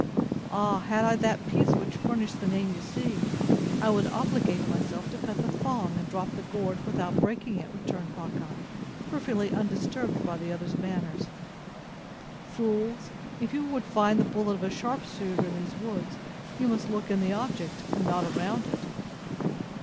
"Ah! had I that piece which furnished the name you use, I would obligate myself to cut the thong, and drop the gourd without breaking it!" returned Hawkeye, perfectly undisturbed by the other's manner. "Fools, if you would find the bullet of a sharpshooter in these woods, you must look in the object, and not around it!"